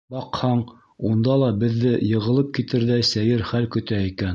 Баҡһаң, унда ла беҙҙе «йығылып китерҙәй» сәйер хәл көтә икән.